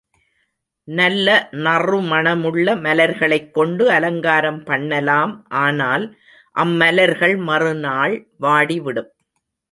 நல்ல நறுமணமுள்ள மலர்களைக் கொண்டு அலங்காரம் பண்ணலாம் ஆனால் அம்மலர்கள் மறுநாள் வாடிவிடும்.